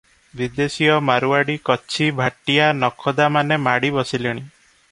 ବିଦେଶୀୟ ମାରୁଆଡି, କଚ୍ଛୀ, ଭାଟିଆ, ନାଖୋଦାମାନେ ମାଡ଼ି ବସିଲେଣି ।